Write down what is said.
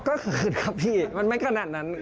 ก็คือครับพี่มันไม่ขนาดนั้น